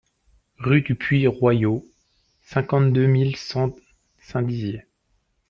Rue du Puits Royau, cinquante-deux mille cent Saint-Dizier